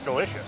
dan ini enak